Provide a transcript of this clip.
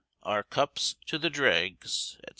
Our cups to the dregs, &c.